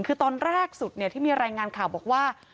คือตอนแรกสุดที่มีรายงานข่าวบอกว่า